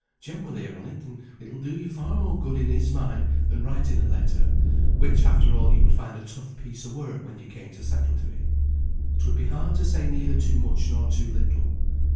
Jem will hear on't, and it will do you far more good in his mind than writing a letter, which, after all, you would find a tough piece of work when you came to settle to it. 'Twould be hard to say neither too much nor too little.